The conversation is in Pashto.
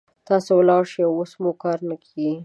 تاسې ولاړ شئ، اوس مو کار نه کيږي.